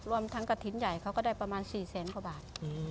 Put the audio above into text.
รวมทั้งกะถิ่นใหญ่เค้าก็ได้ประมาณ๔๐๐บาท